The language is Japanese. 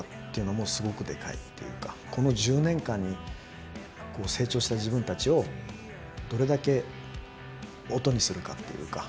この１０年間にこう成長した自分たちをどれだけ音にするかっていうか。